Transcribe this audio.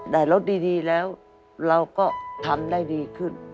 ได้รถดีแล้วเราก็ทำได้ดีขึ้น